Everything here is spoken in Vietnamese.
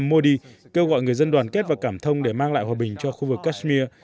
modi kêu gọi người dân đoàn kết và cảm thông để mang lại hòa bình cho khu vực kashmir